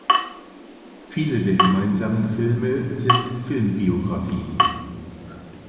Viele der gemeinsamen Filme sind Filmbiografien.